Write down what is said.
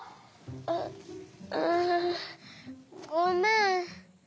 あっうんごめん。